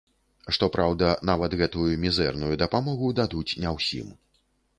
Што праўда, нават гэтую мізэрную дапамогу дадуць не ўсім.